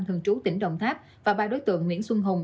thường trú tỉnh đồng tháp và ba đối tượng nguyễn xuân hùng